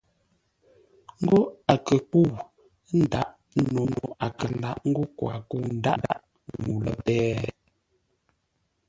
Ńgó a kə kə́u ńdǎʼ no a kə lǎʼ ńgó koo a kə̂u ńdáʼ ŋuu lə́ péh.